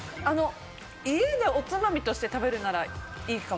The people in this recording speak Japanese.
家でおつまみとして食べるならいいかも。